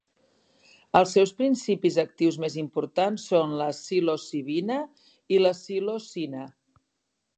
Els seus principis actius més importants són la psilocibina i la psilocina.